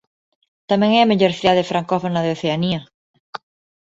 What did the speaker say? Tamén é a maior cidade francófona de Oceanía.